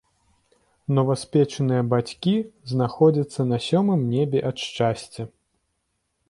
Новаспечаныя бацькі знаходзяцца на сёмым небе ад шчасця.